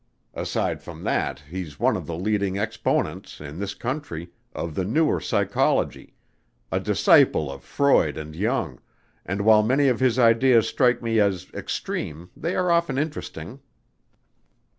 Aside from that, he's one of the leading exponents, in this country, of the newer psychology a disciple of Freud and Jung, and while many of his ideas strike me as extreme they are often interesting."